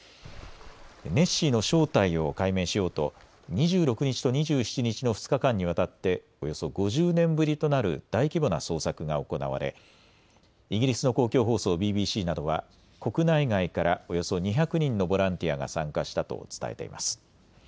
ネッシーの正体を解明しようと２６日と２７日の２日間にわたっておよそ５０年ぶりとなる大規模な捜索が行われイギリスの公共放送ＢＢＣなどは国内外からおよそ２００人のボランティアが参加したと伝えています。